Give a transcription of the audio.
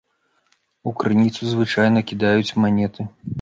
У крыніцу звычайна кідаюць манеты.